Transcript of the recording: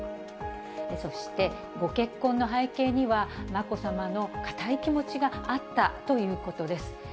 そしてご結婚の背景には、まこさまの固い気持ちがあったということです。